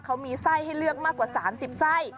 เขามีไส้ให้เลือกมากกว่า๓๐ไส้